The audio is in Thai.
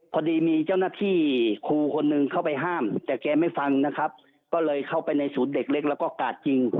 พอดีมีเจ้าหน้าที่ครูคนหนึ่งเข้าไปห้ามแต่แกไม่ฟังนะครับก็เลยเข้าไปในศูนย์เด็กเล็กแล้วก็กาดยิง